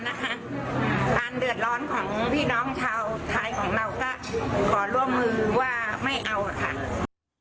ให้เราฐานเรื่องร้องของพี่น้องเท้าไหนของเราก็ยังไม่เอาค่ะ